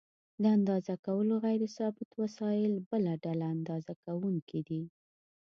د اندازه کولو غیر ثابت وسایل بله ډله اندازه کوونکي دي.